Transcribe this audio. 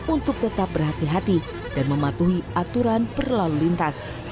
untuk tetap berhati hati dan mematuhi aturan berlalu lintas